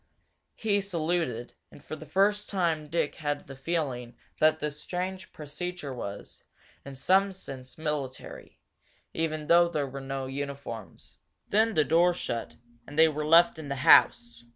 He saluted, and for the first time Dick had the feeling that this strange procedure was, in some sense, military, even though there were no uniforms. Then the door shut, and they were left in the house.